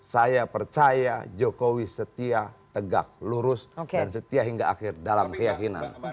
saya percaya jokowi setia tegak lurus dan setia hingga akhir dalam keyakinan